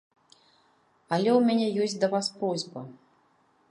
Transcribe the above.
Але ў мяне ёсць да вас просьба.